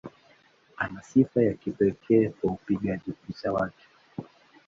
Ana sifa ya kipekee kwa upigaji picha wake.